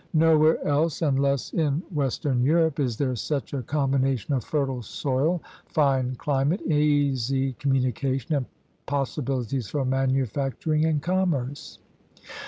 Nowhere else, unless in west ern Europe, is there such a combination of fertile soil, fine climate, easy communication, and possi bilities for manufacturing and commerce.